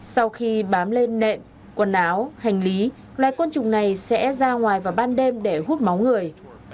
sau khi bám lên nệm quần áo hành lý loài côn trùng này sẽ ra ngoài vào ban đêm để hút máu người